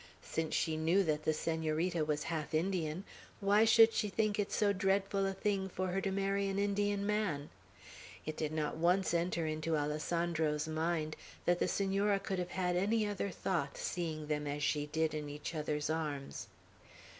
Since she knew that the Senorita was half Indian, why should she think it so dreadful a thing for her to marry an Indian man? It did not once enter into Alessandro's mind, that the Senora could have had any other thought, seeing them as she did, in each other's arms.